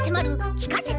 「きかせて！